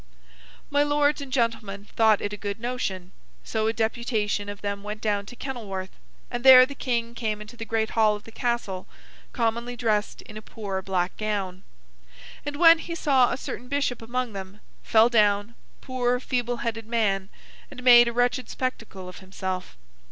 My Lords and Gentlemen thought it a good notion, so a deputation of them went down to Kenilworth; and there the King came into the great hall of the Castle, commonly dressed in a poor black gown; and when he saw a certain bishop among them, fell down, poor feeble headed man, and made a wretched spectacle of himself.